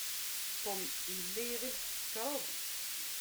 Tom yella iɣill tsekṛeḍ.